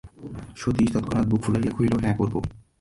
সতীশ তৎক্ষণাৎ বুক ফুলাইয়া কহিল, হাঁ করব।